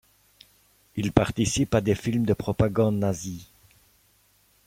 Il participe à des films de propagande nazie.